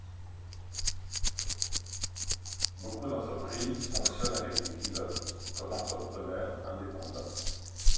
Beaucoup d'entreprises fonctionnent avec des pilotes comme entrepreneurs indépendants.